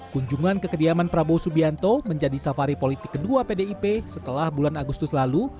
kunjungan ke kediaman prabowo subianto menjadi safari politik kedua pdip setelah bulan agustus lalu